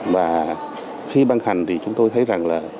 và khi băng hành thì chúng tôi thấy rằng là